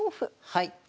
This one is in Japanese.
はい。